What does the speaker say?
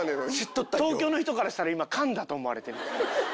東京の人からしたら今かんだと思われてる。